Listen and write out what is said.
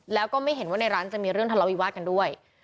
แล้วก็ไม่เห็นว่าในร้านจะมีเรื่องทะเลาวิวาสกันด้วย